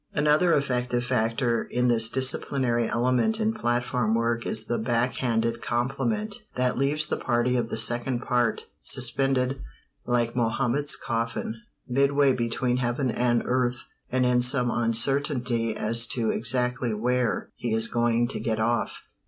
Another effective factor in this disciplinary element in platform work is the "back handed" compliment that leaves the party of the second part suspended like Mahomet's coffin, midway between heaven and earth, and in some uncertainty as to exactly where "he is going to get off."